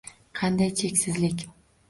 Qanday cheksizlik…